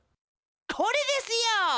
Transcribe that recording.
これですよ！